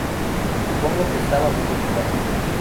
Supongo que estaba muy ocupado".